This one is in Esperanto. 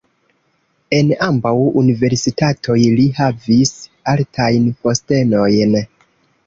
En ambaŭ universitatoj li havis altajn postenojn.